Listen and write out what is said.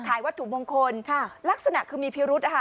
ขายวัตถุมงคลค่ะลักษณะคือมีพิรุธอ่ะฮะ